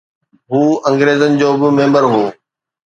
هو انگريزن جو به ميمبر هو